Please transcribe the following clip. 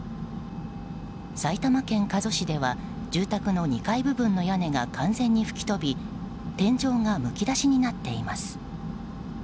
埼玉県加須市では住宅の２階部分の屋根が完全に吹き飛び天井がむき出しになっています。